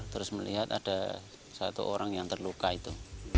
terus melihat ada satu orang yang terluka itu